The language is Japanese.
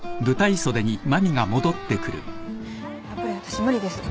やっぱりわたし無理です。